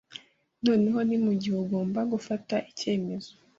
Noneho ni mugihe ugomba gufata icyemezo.